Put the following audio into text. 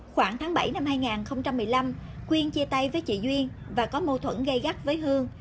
khoảng tháng bảy năm hai nghìn một mươi năm quyên chia tay với chị duyên và có mâu thuẫn gây gắt với hương